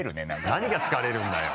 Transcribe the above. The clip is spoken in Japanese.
何が疲れるんだよ。